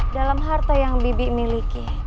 dalam harta yang bibi miliki